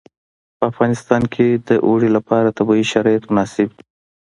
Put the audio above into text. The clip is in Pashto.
په افغانستان کې د اوړي لپاره طبیعي شرایط مناسب دي.